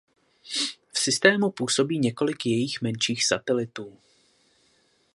V systému působí několik jejích menších "satelitů".